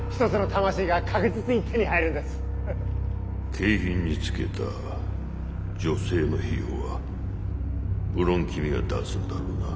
景品につけた女性の費用はむろん君が出すんだろうな。